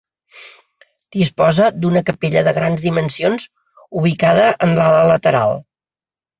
Disposa d'una capella de grans dimensions ubicada en l'ala lateral.